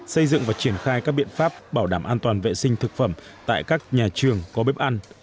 xây dựng và triển khai các biện pháp bảo đảm an toàn vệ sinh thực phẩm tại các nhà trường có bếp ăn